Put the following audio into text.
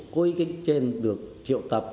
cố ý kích trên được triệu tập